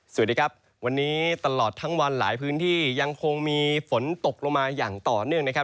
สวัสดีครับวันนี้ตลอดทั้งวันหลายพื้นที่ยังคงมีฝนตกลงมาอย่างต่อเนื่องนะครับ